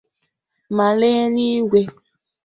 ma n'eluigwe.